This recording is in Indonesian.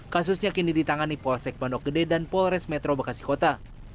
kasusnya kini ditangani polsek pondok gede dan polres metro bekasi kota